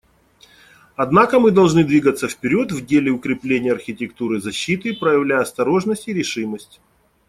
Однако мы должны двигаться вперед в деле укрепления архитектуры защиты, проявляя осторожность и решимость.